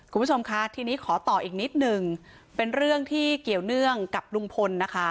คุณผู้ชมคะทีนี้ขอต่ออีกนิดหนึ่งเป็นเรื่องที่เกี่ยวเนื่องกับลุงพลนะคะ